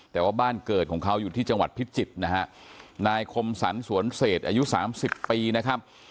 แต่ว่าบ้านเกิดของเขาอยู่ที่จังหวัดพิจิตรนะฮะนายคมสรรสวนเศษอายุสามสิบปีนะครับ